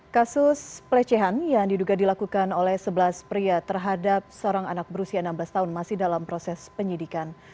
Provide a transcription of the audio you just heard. kasus pelecehan yang diduga dilakukan oleh sebelas pria terhadap seorang anak berusia enam belas tahun masih dalam proses penyidikan